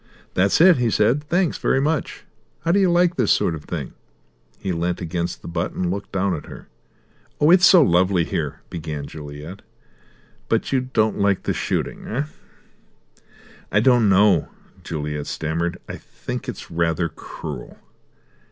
"That's it," he said. "Thanks very much. How do you like this sort of thing?" He leant against the butt and looked down at her. "Oh, it's so lovely here," began Juliet. "But you don't like the shooting, eh?" "I don't know," Juliet stammered. "I think it's rather cruel."